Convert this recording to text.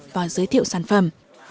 và giới thiệu sản phẩm